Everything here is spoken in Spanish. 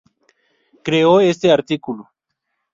Creo este artículo.